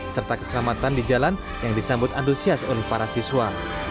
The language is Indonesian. serta keselamatan di jalan yang disambut antusias oleh para siswa